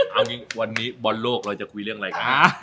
เอาจริงว่านี้บอร์ดโลกเราจะคุยเรื่องอะไรกัน